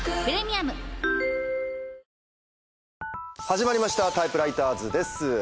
始まりました『タイプライターズ』です。